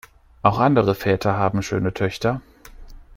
Auch andere Väter haben schöne Töchter.